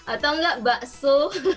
atau enggak bakso